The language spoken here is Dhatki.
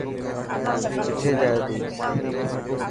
ڪٿي جائي تي.